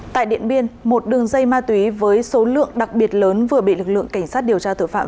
tại điện biên một đường dây ma túy với số lượng đặc biệt lớn vừa bị lực lượng cảnh sát điều tra tội phạm